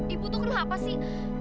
ibu tuh kenapa sih